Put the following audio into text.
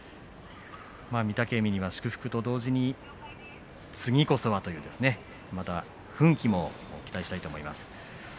御嶽海は祝福と同時に次こそは、という奮起も期待したいと思います。